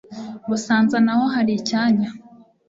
Busanza naho hari icyanya,